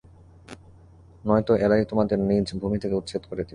নয়তো এরাই তোমাদের নিজ ভূমি থেকে উচ্ছেদ করে দিবে।